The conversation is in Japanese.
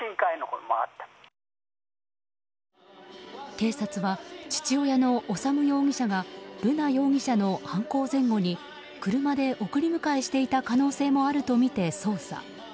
警察は父親の修容疑者が瑠奈容疑者の犯行前後に車で送り迎えしていた可能性もあるとみて捜査。